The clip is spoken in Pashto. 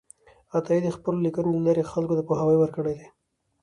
عطایي د خپلو لیکنو له لارې خلکو ته پوهاوی ورکړی دی.